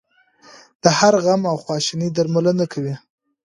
د هر غم او خواشینۍ درملنه کوي.